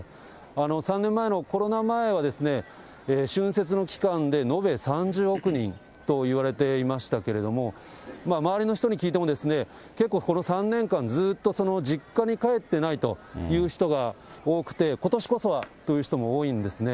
３年前のコロナ前は、春節の期間で延べ３０億人といわれていましたけれども、周りの人に聞いても、結構この３年間、ずっと実家に帰ってないという人が多くて、ことしこそはという人も多いんですね。